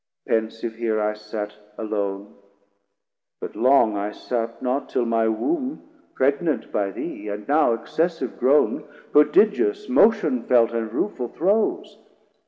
Pensive here I sat Alone, but long I sat not, till my womb Pregnant by thee, and now excessive grown Prodigious motion felt and rueful throes.